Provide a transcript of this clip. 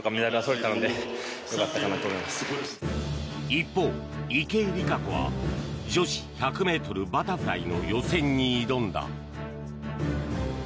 一方、池江璃花子は女子１００ｍバタフライの予選に挑んだ。